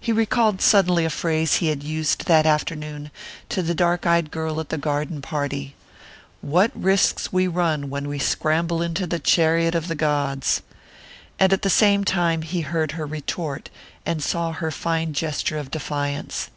He recalled suddenly a phrase he had used that afternoon to the dark eyed girl at the garden party: "What risks we run when we scramble into the chariot of the gods!" And at the same instant he heard her retort, and saw her fine gesture of defiance.